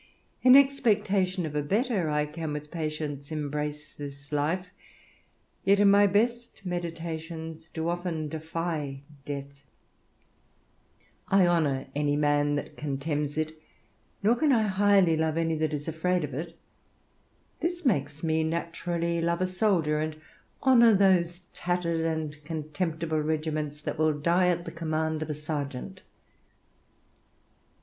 In expectation of a better, I can with patience embrace this life, yet in my best meditations do often defy death: I honor any man that contemns it, nor can I highly love any that is afraid of it: this makes me naturally love a soldier, and honor those tattered and contemptible regiments that will die at the command of a sergeant.